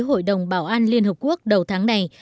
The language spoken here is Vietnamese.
hội đồng bảo an liên hợp quốc đầu tháng này